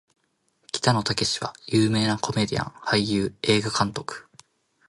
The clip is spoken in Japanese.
北野武は有名なコメディアン・俳優・映画監督